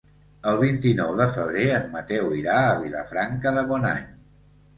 El vint-i-nou de febrer en Mateu irà a Vilafranca de Bonany.